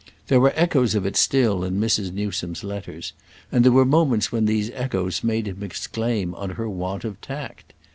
There were echoes of it still in Mrs. Newsome's letters, and there were moments when these echoes made him exclaim on her want of tact.